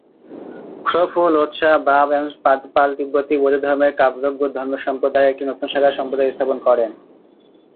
খ্রো-ফু-লো-ত্সা-বা-ব্যাম্স-পা-দ্পাল তিব্বতী বৌদ্ধধর্মের ব্কা'-ব্র্গ্যুদ ধর্মসম্প্রদায়ের একটি নতুন শাখা সম্প্রদায় স্থাপন করেন।